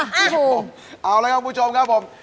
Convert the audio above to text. พี่ฟูเอาละครับผู้ชมครับผม